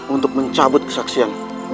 untuk mencabut kesaksian